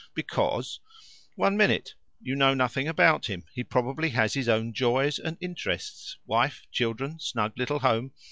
"Because " "One minute. You know nothing about him. He probably has his own joys and interests wife, children, snug little home.